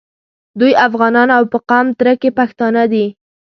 دوی افغانان او په قوم تره کي پښتانه دي.